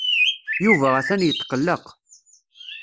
Yuba atan yetqelleq.